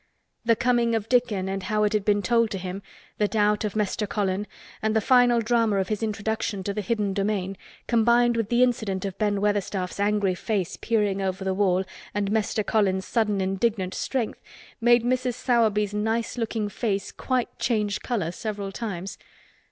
The coming of Dickon and how it had been told to him, the doubt of Mester Colin and the final drama of his introduction to the hidden domain, combined with the incident of Ben Weatherstaff's angry face peering over the wall and Mester Colin's sudden indignant strength, made Mrs. Sowerby's nice looking face quite change color several times.